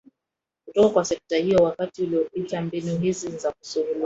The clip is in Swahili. kutoka kwa sekta hiyo Wakati uliopita mbinu hizi za kusuluhisha